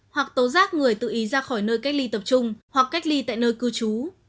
hoặc tố giác người tự ý ra khỏi nơi cách ly tập trung hoặc cách ly tại nơi cư trú